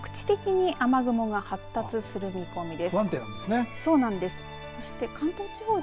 局地的に雨雲が発達する見込みです。